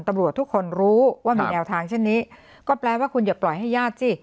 ตำรวจทุกคนรู้ว่ามีแนวทางเช่นนี้ก็แปลว่าคุณอย่าปล่อยให้ญาติสิ